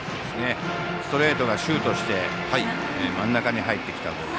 ストレートがシュートして真ん中に入ってきたところ。